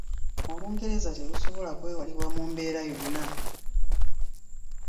Olungereza terusobola kwewalibwa mu mbeera yonna.